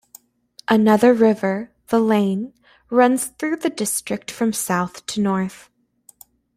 Another river, the Leine, runs through the district from south to north.